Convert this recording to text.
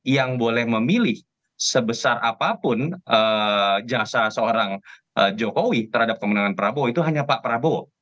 yang boleh memilih sebesar apapun jasa seorang jokowi terhadap kemenangan prabowo itu hanya pak prabowo